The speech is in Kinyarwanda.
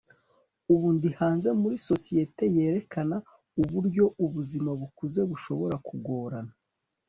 ubu ndi hanze muri societe yerekana uburyo ubuzima bukuze bushobora kugorana